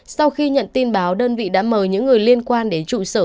sau khi nhận tin báo đơn vị đã mời những người liên quan đến trụ sở